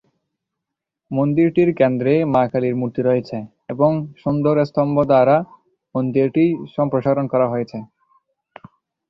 মন্দিরটির কেন্দ্রে মা কালীর মূর্তি রয়েছে এবং সুন্দর স্তম্ভ দ্বারা মন্দিরটি সম্প্রসারণ করা হয়েছে।